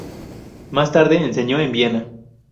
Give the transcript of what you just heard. Más tarde enseñó en Viena.